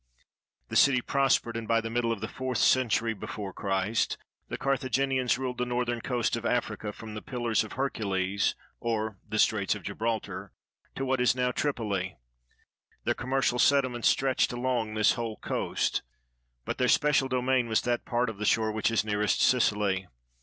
The city prospered, and by the middle of the fourth century before Christ, the Cartha ginians ruled the northern coast of Africa from the "Pillars of Hercules," or the Straits of Gibraltar, to what is now Tripoh. Their commercial settlements stretched along this whole coast, but their special domain was that part of the shore which is nearest Sicily.